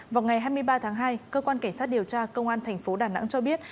vào ngày hai mươi ba tháng hai cơ quan cảnh sát điều tra công an thành phố đà nẵng cho biết